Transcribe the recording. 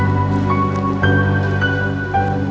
kalau bisa mikirnya jangan lama lama